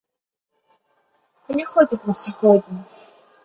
Але хопіць на сягоння.